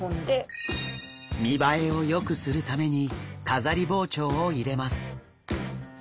見栄えをよくするために飾り包丁を入れます。